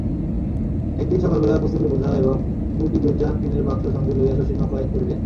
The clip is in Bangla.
একদিন সকালবেলা পুস্তকের বোঝা এবং গুটিদুইচার টিনের বাক্স সঙ্গে লইয়া শশী নৌকায় চড়িলেন।